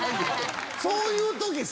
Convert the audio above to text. そういう時さ